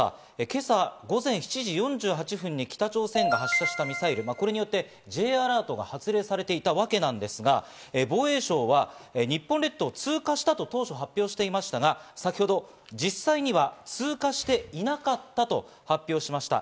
今朝午前７時４８分に北朝鮮が発射したミサイル、これによってＪアラートが発令されていたわけなんですが、防衛省は日本列島を通過したと当初、発表していましたが、先ほど実際には通過していなかったと発表しました。